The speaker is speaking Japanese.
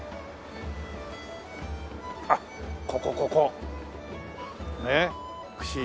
あっここここ！ねえ串。